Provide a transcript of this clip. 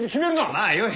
まあよい。